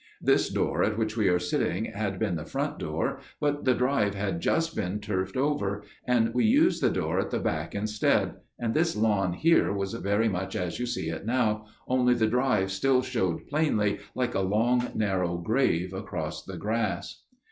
This door at which we are sitting had been the front door, but the drive had just been turfed over, and we used the door at the back instead, and this lawn here was very much as you see it now, only the drive still showed plainly like a long narrow grave across the grass.